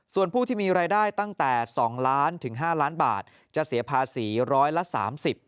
ส่วนผู้ที่มีรายได้ตั้งแต่๒ล้านถึง๕ล้านบาทจะเสียภาษีร้อยละสามสิบ